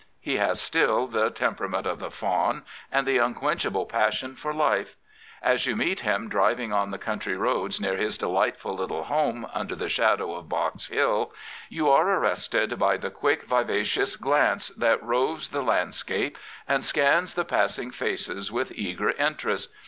He has still the temperament of the fawn " and the unquenchable passion for life. As you meet him driving on the country roads near his delightful little home under the shadow of Box Hill, you are arrested by the quick vivacious glance 47 Prophets, Priests, and Kings that roves the landscape and scans the passing faces with eager interest.